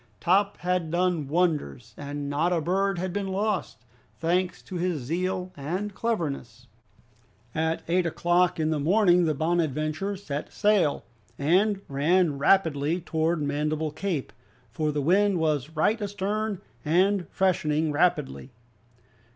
Top had done wonders, and not a bird had been lost, thanks to his zeal and cleverness. At eight o'clock in the morning the "Bonadventure" set sail, and ran rapidly towards North Mandible Cape, for the wind was right astern and freshening rapidly.